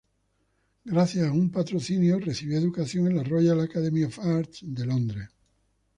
Gracias a un patrocinio recibió educación en la "Royal Academy of Arts" de Londres.